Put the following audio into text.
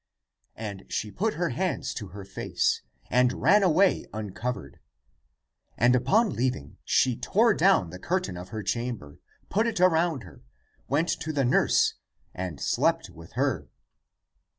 And she put her hands (to her face), and ran away uncovered. And upon leaving she tore down the curtain of her chamber, put it around her, went to the nurse, and slept with her.